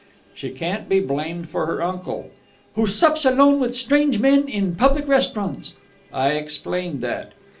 "She can't be blamed for her uncle." "... Who sups alone with strange men in public restaurants...." "I explained that."